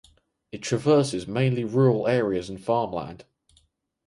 It traverses mainly rural areas and farmland.